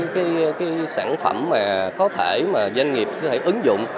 các sản phẩm có thể mà doanh nghiệp có thể ứng dụng